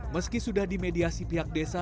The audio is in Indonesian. meski sudah dimediasi pihak desa